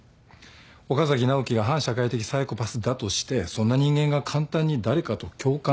岡崎直樹が反社会的サイコパスだとしてそんな人間が簡単に誰かと共感するか。